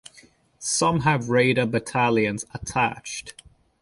Some have Raider battalions attached.